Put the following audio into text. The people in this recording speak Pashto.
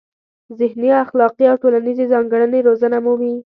ذهني، اخلاقي او ټولنیزې ځانګړنې روزنه مومي.